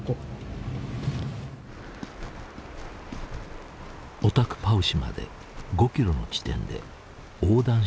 オタクパウシまで５キロの地点で横断した形跡が見つかった。